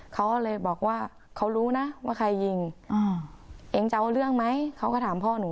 เขาเลยบอกว่าเขารู้นะว่าใครยิงเองจะเอาเรื่องไหมเขาก็ถามพ่อหนู